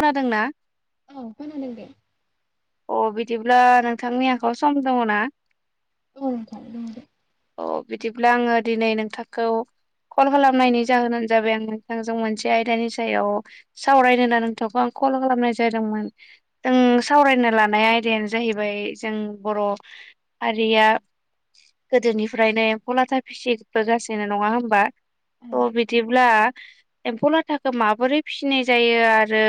खोनादोंना? औ खोनादों दे। अ बिदिब्ला नोंथांनि आखायावआव सम दङ ना? [unintelligible] अ बिदिब्ला आङो दिनै नोंथांखौ कल खालामनायनि जाहोनानो जाबाय आं नोंथांजों मोनसे आयदानि सायाव सावरायदों ना नोंथांखौ आं कल खालामनाय जादोंमोन जों सावरायनो लानाय आयदायानो जाहैबाय जों बर' हारिया गोदोनिफ्रायनो एम्फौ लाथा फिसिबोगासिनो नङा होमबा अ बिदिब्ला। एम्फौ लाथा माबोरै फिसिनाय जायो आरो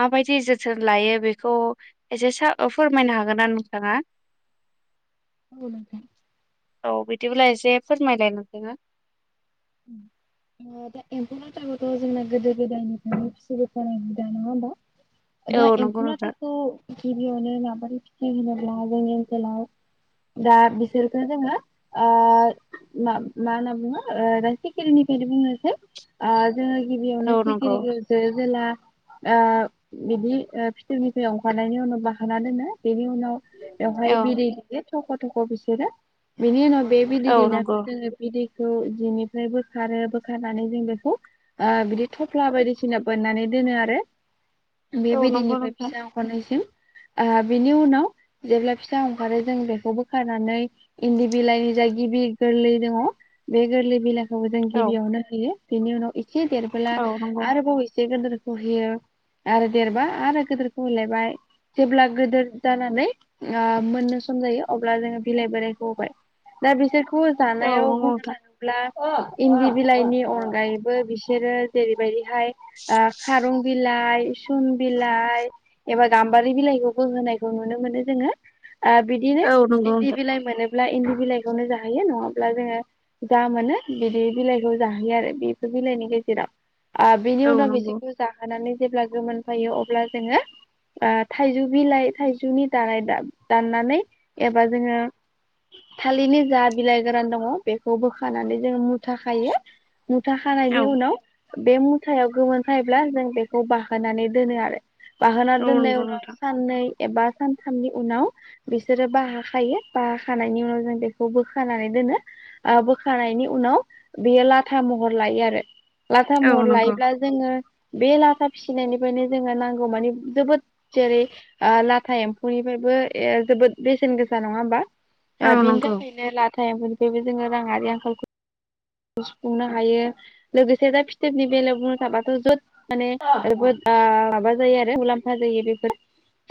माबायदि जोथोन लायो बेखौ एसे सा फोरमायनो हागोनना नोंथाङा? औ बुं औ बिदिब्ला एसे फोरमायलाय नोथांआ? उ [inaudible] दा एम्फौ लाथाखौथ' जोंना गोदो गोदायनिफ्रायनो फिसिबोखायो नङा होमबा। दा औ नंगौ एमफौ नोंथां लाथाखौ गिबिआवनो लाबाय बे लागानि लाव दा बिसोरखो जोङो ओ मा मा होनना बुङो ओ सिखिरिनिफ्रायनो बुंनोसै ओ जोङो औ गिबियावनो नंगौ सिखिरिखौ जो जोला ओ बिदि फिथोबनिफ्राय ओंखारनायनि उनाव बाखाना दोनो बेनि उनाव बेवहाय औ बि दै थख' थख' बिसोरो बिनि उनाव बे बिदै औ दैनाखौ नंगौ जोङो बिदैखौ दिनि बोखारो बोखारनानै जों बेखौ बिदि ओ थफ्ला बायदिसिना बोननानै दोनो आरो बे औ नंगौ बिदैनिफ्राय नोंथां फिसा ओंखारनायसिम ओ बिनि उनाव जेब्ला फिसा ओंखारो जों बेखौ बोखानानै इन्दि बिलाइनि जा गिबि गोरलै दङ बे गोरलै बिलाइ जों औ गिबियावनो होयो बेनि उनाव एसे देरबोला औ नंगौ आरोबाव एसे गोदोरखौ होयो। आरो देरबा आरो गिदिरखौ होलायबाय। जेब्ला गोदिर जानानै मोननो सम जायो अब्ला जोङो बिलाइ बोरायखौ होबाय। दा बिसोरखौ औ जानायाव नंगौ बुंनो नोंथां थाङोब्ला इन्दि बिलाइनि अनगायैबो बिसोरो जेरैबायदिहाय ओ खारं बि बिलाइ सुम बिलाइ एबा गाम्बारि बिलाइखौबो होनायखौ नुनो मोनो जोङो। आ बिदिनो औ नंगौ इन्दि नोंथां बिलाइ मोनोब्ला इन्दि बिलाइखौनो जाहैयो नङाब्ला जोङो जा मोनो बिदि बिलाइखौ जाहोयो आरो बेफोर बिलाइनि गेजेराव आं बिनि औ उनाव नंगौ बिसोरखौ जाहोनानै जेब्ला गोमोनफैयो अब्ला जोङो थाइजौ बिलाइ थाइजौनि दानाय दाननानै एबा जोङो थालिरनि जा बिलाइ गोरान दङ बेखौ बोखानानै जों मुथा खायो मुथा खानायनि औ उनाव बे मुथायाव गोमोनफायोब्ला जों बेखौ बाहोनानै दोनो आरो। बाहोना औ दोननाय नंगौ उनाव नोंथां साननै एबा सानथामनि उनाव बिसोरो बाहाखायो बाहाखानायनि उनाव जों बेखौ बोखानानै आ बोखानायनि उनाव बियो लाथा महर लायो आरो लाथा औ महर नंगौ लायोब्ला जोङो । बे लाथा फिसिनायनिफ्रायनो जोङो नांगौ मानि जोबोद जेरै आ लाथा एम्फौनिफ्राय जोबोद ए जोबोद बेसेन गोसा नङा होमबा? औ आ बिनि नंगौ थाखायनो लाथायनिफ्रायबो जोङो राङारि आंखालखौ सुफुंनो हायो लोगोसे दा फिथोबनि बेलायाव बुंनो थाबाथ' जद माने बोद माबा जायो आरो मुलाम्फा जायो बेफोर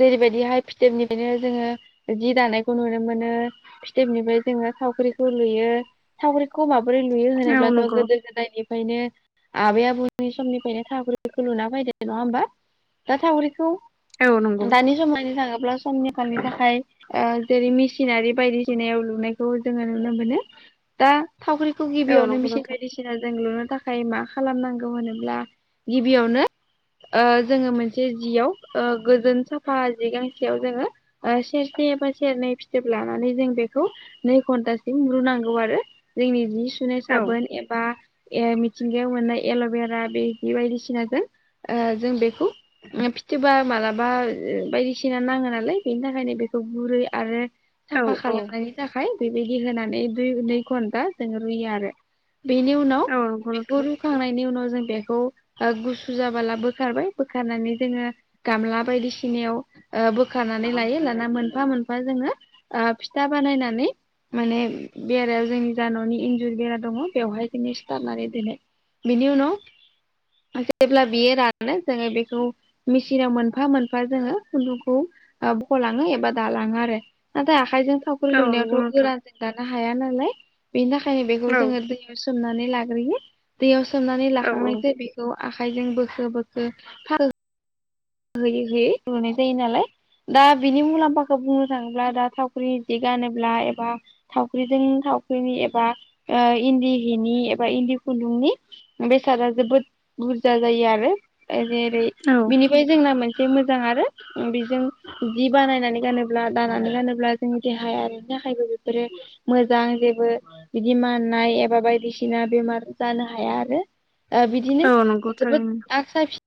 जेरैबायदिहाय फिथोबनिफ्रायनो जोङो जि दानायखौ नुनो मोनो फिथोबनिफ्राय जोङो । थावख्रिखौ लुयो थावख्रिखौ माबोरै लुयो औ होनोब्लाथ' नंगौ गोदो गोदायनि । ओखायनो आबै आबौनि समनिफ्रायनो थावख्रि बेखौ लुना फैदो नङा होमबा। दा थावख्रिखौ औ नंगौ दानि समाव नायनो थाङोब्ला। समनि आंखालनि थाखाय जेरै मेसिनारि बायदिसिनायाव लुनायखौ जोङो नुनो मोनो। दा थावख्रिखौ औ गिबियावनो नंगौ मेसिन नोंथां बायदिसिना जों लुनो थाखाय मा खालामनांगौ होनोब्ला गिबियावनो । ओ जोङो मोनसे जियाव गोजोन साफा जि गांसेयाव जोङो सेरसे बा सेरनै फिथोब लानानै जों बेखौ नै घन्टासिम रुनांगौ आरो जोंनि सुनाय औ साबोन एबा मिथिंगायाव मोननाय एल'बेरा बे बायदिसिनाजों ओ जों बेखौ फिथोबा मा मालाबा बायदिसिना नाङो नालाय बेनि थाखायनो बेखौ गुरै आरो । औ साफा औ खालामनायनि थाखाय बेबायदि होनानै दुइ नै घन्टा जों रुयो आरो । बेनि उनाव औ नंगौ बेखौ नोंथां रुखांनायनि उनाव जों बेखौ ओ गुसु जाबोला बोखारबाय बोखारनानै जोङो गामला बायदिसिनायाव ओ बोखारनानै लायो लाना मोनफा मोनफा जोङो फिथा बानायनानै माने बेरायाव जोंनि जा न'नि इन्जुर बेरा दङ बेवहाय जोङो सिथारनानै दोनो बेनि उनाव जेब्ला बियो रानो जोङो बेखौ मेचिनाव मोनफा मोनफा जोङो खुन्दुंखौ बख'लाङो एबा दालाङो आरो नाथाय आखाइजों थावख्रि औ नंगौ लुनायावथ' नोंथां गोरा जों दानो हाया नालाय बेनि थाखायनो बेखौ औ जों दै सोमनानै लाग्रोयो दैयाव सोमनानै औ औ लाखांनायसै बेखौ आखाइजों बोखो बोखो फाल होयै होयै रुनाय जायो नालाय। दा बिनि मुलाम्फाखौ बुंनो थाङोब्ला दा थावख्रि जि गानोब्ला एबा थावख्रिजों थावख्रिनि एबा इन्दि हिनि एबा इन्दि खुन्दुंनि बेसादा जोबोद । बुरजा जायो आरो जेरै औ बिनि जोंना मोनसे मोजां आरो बेजों जि बानायनानै गानोब्ला दानानै गानोब्ला जोंनि देहाया बिनि थाखायबो बेफोरो मोजां जेबो बिदि माननाय एबा बायदिसिना बेमार जानो हाया आरो आ बिदिनो औ नंगौ जोबोद थारैनो आक्सा फि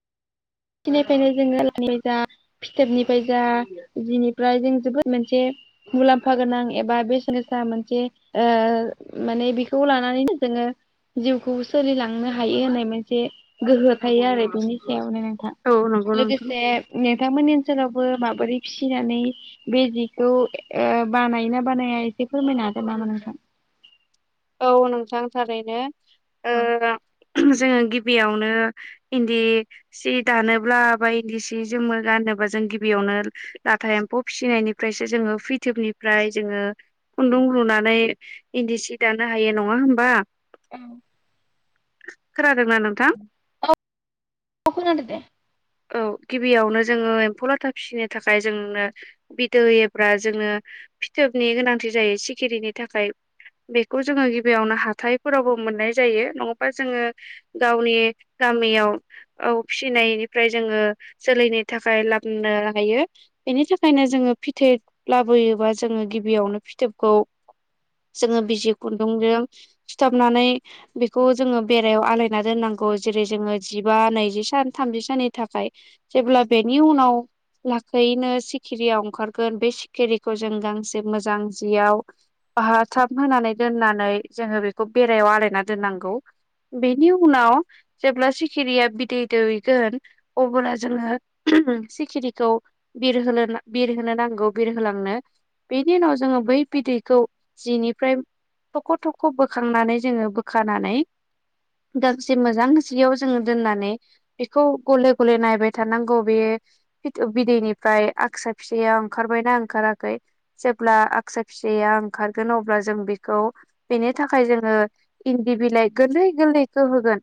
निफ्रायनो जोङो लानि जा फिथोबनिफ्राय जा जिनिफ्राय जों जोबोद मोनसे । मुलाम्फा गोनां एबा बेसेन गोसा मोनसे ओ माने बेखौ लानानैनो जोंङो जिउखौ सोलिलांनो हायो होननाय मोनसे गोहो थायो आरो बेनि सायावनो। नोंथां औ नंगौ नोंथां लोगोसे नोंथांमोननि ओनसोलावबो माबोरै फिसिनानै बे जिखौ ओ बानायो ना बानाया एसे फोरमायना हागोन नामा नोंथां? औ नोंथां थारैनो औ जोंङो गिबियावनो इन्दि सि दानोब्ला बा इन्दि सि जोमो गानो बा जों गिबियावनो लाथा एम्फौ फिसिनायनिफ्रायसो जोंङो फैथोबनिफ्राय जोंङो खुन्दुं रुनानै इन्दि सि दानो हायो नङा होमबा औ खोनादो औ खोनादो दे औ गिबियावनो जोंङो एम्फौ लाथा फिसिनो थाखाय जोंनो बिदै एब्रा जोंङो फिथोबनि गोनांथि जायो सिखिरिनि थाखाय बेखौ जोंङो गिबियावनो हाथायफोरावबो मोननाय जायो नङाबा जोंङो गावनि गामियाव औ फिसिनायनि ओमफाय जोंङो जोलैनि थाखाय लाबनो हायो इनि थाखायनो जोंङो फिथोब लाबो योबा जोंङो गिबियावनो फिथोबखौ जोंङो बिजि खुन्दुंजों सुथाबनानै बेखौ जोंङो बेरायाव आलायना दोननांगौ। औ जेरै जोंङो जिबा नैजि सान थामजि साननि थाखाय जेब्ला बेनि उनाव लाखैयैनो सिखिरिया ओंखारगोन बे सिखिरिखौ जों गांसे मोजां जियाव बाहाथाम होनानै दोननानै जोंङो बेखौ बेरायाव आलायना दोननांगौ। बेनि उनाव जेब्ला सिखिरिया बिदै दैगोन अब्ला जोंङो सिखिनिखौ बिरहोनो बिरहोनो नांगौ बिरहलाङो नों बेनि उनाव जोंङो बै बिदैखौ जिनिफ्राय थख थख बोखांनानै जोंङो बोखानानै गांसे मोजां जियाव जोंङो दोननानै बेखौ गले गले नायबाय थानांगौ बे फिथोब बिदैनिफ्राय आक्सा फिसाया ओंखारबायना‌ ओंखारा खै जेब्ला आगसा फिसाया ओंखारगोन अब्ला जों बेखौ बेनि थाखाय जोंङो इन्दि बिलाइ गोरलै गोरलैखो होगोन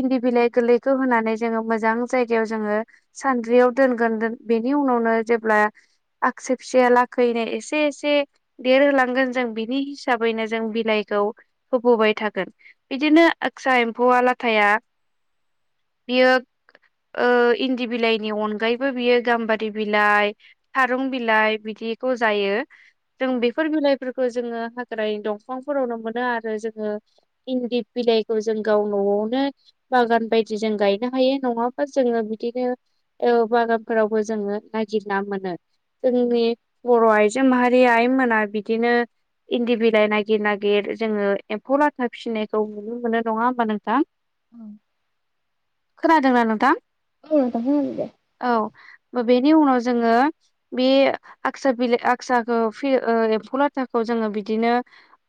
इन्दि बिलाइ गोरलैखो होनानै जोंङो मोजां जायगायाव जोंङो सानद्रियाव दोनगोन दोन बेनि उनावनो जेब्ला आगस फिसाया लाखैनो एसे एसे देरहोलांगोन जों बिनि हिसाबैनो जों बिलाइ खौ होबोबाय थागोन बिदिनो आक्सा एम्फौआ लाथाया [inaudible] बियो ओ इन्दि बिलाइनि अनगायैबो बियो गाम्बारि बिलाइ थारुं बिलाइ बिदि बिखौ जायो जों औ बेफोर बिलाइफोरखौ जोंओ हा निफ्राय दंफांफोरावनो मोनो आरो जोंङो इन्दि बिलाइखौ जों गाव नआवनो बागान बायदि जों गायनो हायो नङाबा जोंङो बिदिनो ओ बागानफोरावबो जोंङो नागिरना मोनो। जोंनि बर आइजो माहारि आइमोना बिदिनो इन्दि बिलाइ नागिर नागिर जोंङो एम्फौ लाथा फिसिनायखौ नुनो मोनो नंङा होमबा नोंथां औ खोनादोंना नोंथां? औ‌ नोंथां खोनादोंदे औ बेनि उनाव जोंङो बे आक्सा बिलाइ आक्साखौ फि ओ एम्फौ लाथाखौ जोंङो बिदिनो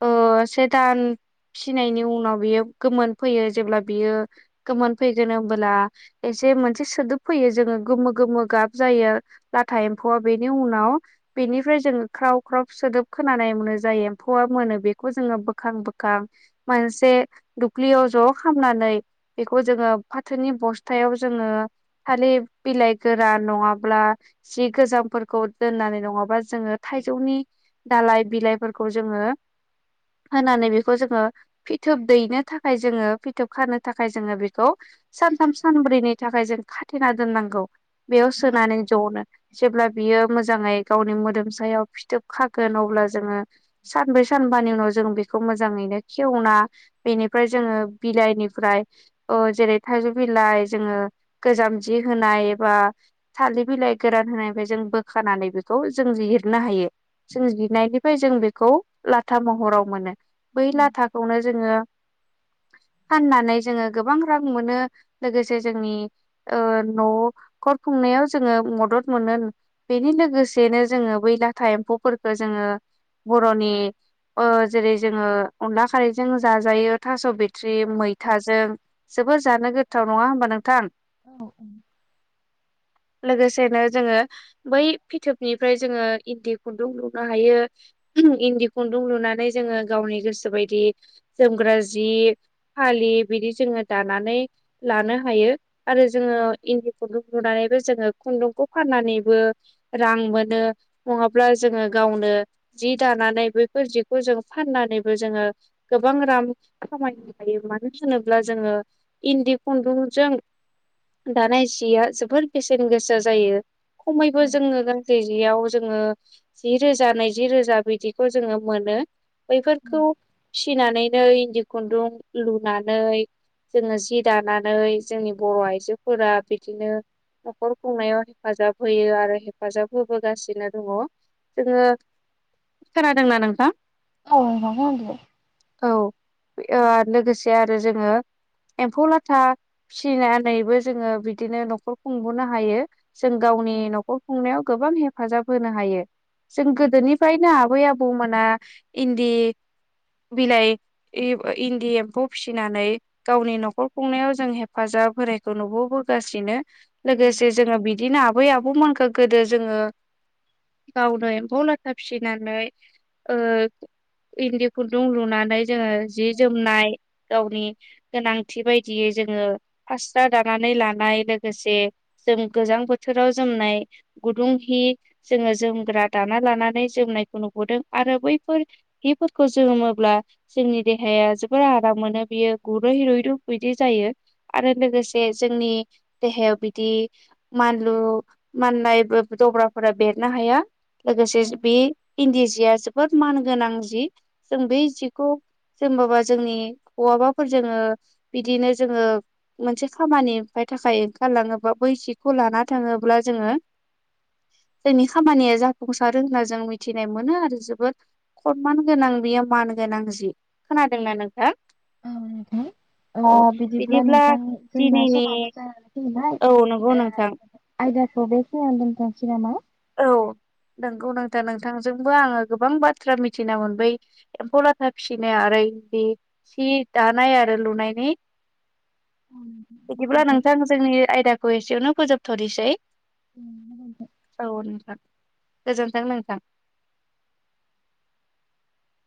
ओ से दान फिनायनि उनाव बियो गोमोन फैयो जेब्ला बियो गोमोन फैगोन होनोमबोला एसे मोनसे सोदोब फैयो जोङो गोमो गोमो गाब जायो लाथा‌ एम एम्फौआ बेनि उनाव बेनिफ्राय जोङो ख्राव ख्राव सोदोब खोनानाय मोनो जाय एम्फौआ मोनो बेखो बेखौ जोङो बोखां बोखां मोनसे दुख्लियाव ज खामनानै बेखौ जोङो फाथोनि बस्थायाव जोङो थालि बिलाइ गोरान नङाब्ला जि गोजामफोरखौ दोननानै नङाबा जोङो थाइजौनि दालाइ बिलाइफोरखौ जोङो होनानै बेखौ जोङो फिथोब दैनो थाखाय जोङो फिथोब खानो थाखाय जोङो बेखौ खौ सानथाम सानब्रैनि थाखाय जों खाथेना दोननांगौ बेयाव सोनानै जनो जेब्ला बियो मोजाङै गावनि मोदोम सायाव फिथोब खागोन अब्ला जोङो सानब्रै सान बानि उनाव जों बेखौ मोजाङैनो खेवना बेनिफ्राय जोङो बिलाइनिफ्राय ओ जेरै थाइजौ बिलाइ जोङो गोजाम जि होनाय एबा थालिर बिलाइ गोरान होनायनिफाय जों बोखानानैबोथ' जों जिरनो हायो। जों जिरनायनिफ्राय जों बेखौ लाथा महराव मोनो। बै औ लाथाखौनो जोङो फाननानै जोङो गोबां रां मोनो। लोगोसे जोंनि ओ न'खर खुंनायाव जोङो मदद द मोनो। बेनि लोगोसेनो जोङो बै लाथा एम्फौफोरखो जोङो बर'नि ओ जेरै जोङो अनला खारैजों जाजायो थास' बिथ थ्रि मैथाजों जोबोर जानो गोथाव। नङा होमबा नोंथां? औ उम लोगोसेनो जोङो बै फिथोबनिफ्राय जोङो इन्दि खुन्दुं लुनो हायो। इन्दि खुन्दुं लुनानै जोङो गावनि गोसो बायदि जोमग्रा जि, फालि बिदि जोङो दानानै लानो हायो आरो जोङो इन्दि खुन्दुं लुनानैबो जोङो खुन्दुंखौ फाननानैबो रां मोनो नङाब्ला जोङो गावनो जि दानानै बैफोर जिखौ जों फाननानैबो जोङो गोबां रां खामाय हायो। मानो होनोब्ला जोङो इन्दि खुन्दुंजों दानाय जिया जोबोर बेसेन गोसा जायो। खमैबो जोङो गांसे जियाव जोङो जि रोजा नैजि रोजा बिदिखौ जोङो मोनो। औ औ बैफोरखौ फिसिनानैनो इन्दि खुन्दुं लुनानै जोङो जि दानानै जोंनि बर' आइजोफोरा बिदिनो न'खर खुंनायाव हेफाजाब होयो आरो हेफाजाब होबोगासिनो दङ। जोङो। खोनादोंना नोंथां? औ मा बुंदो। औ ओ लोगोसे आरो जोङो एम्फौ लाथा फिसिनानैबो जोङो बिदिनो न'खर खुंबोनो हायो। जों गाव गावनि न'खर खुंनायाव गोबां हेफाजाब होनो हायो। जों गोदोनिफ्रायनो आबै आबौमोना इन्दि बिलाय इ इन्दि एम्फौ फिसिनानै गावनि न'खर खुंनायाव जों हेफाजाब होनायखौ नुुबोबोगासिनो। लोगोसे जोङो बिदिनो आबै आबौमोनखो गोदो जोङो गावनो एम्फौ लाथा फिसिनानै ओ इन्दि खुन्दुं लुनानै जोङो जि जोमनाय गावनि गोनांथि बायदियै जोङो फास्रा दानानै जों गोजां बोथोराव जोमनाय गुदुं हि जोङो जोमग्रा दाना लानानै जोमनाय नायखौ नुबोदों आरो बैफोर हिफोरखौ जोमोब्ला जोंनि देहाया जोबोर आर राम मोनो बियो गुरै हिर'इरुब बिदि जायो। आरो लोगोसे जोंनि देहायाव बिदि मानलु माननायबो दब्राफोरा बेरनो हाया। लोगोसे बि इन्दि जिया जोबोद मान गोनां जि। जों बै जिखौ जोमोबा जोंनि बहाबाफोर जोङो बिदिनो जोङो मोनसे खामानिनिफ्राय थाखाय ओंखारलाङोबा बै सिखौ लाना थाङोब्ला जोङो [inaudible] जोंनि खामानिया जाफुंसारो होनना जों मिथिनाय मोनो आरो जोबोद खनमान गोनां बियो मानगोनां जि खोनादोंना नोंथां? औ नोंथां अ बिदिब्ला नोंथां जोंना दिनैनि समाबो जानानै फैनाय औ नंगौ ओ नोंथां आइ बुंनायखौ बेखिनियावनो दोनथनोसै नामा? औ नंगौ नोंथा नोंथां जोंबो आङो गोबां बाथ्रा मिथिना मोनबाय एम्फौ लाथा फिसिनाय आरो बि सि दानाय आरो लुनायनि बिदिब्ला नोंथां जोंनि आयदाखौ एसेयावनो फोजोबथ नोसै। औ नोंथां गोजोनथों नोंथां। [inaudible]